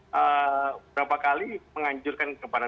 beberapa kali menganjurkan kepada